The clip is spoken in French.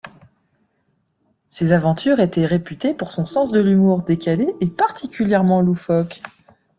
Ses aventures étaient réputées pour son sens de l'humour décalé et particulièrement loufoque.